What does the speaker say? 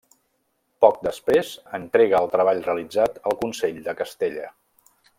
Poc després entrega el treball realitzat al Consell de Castella.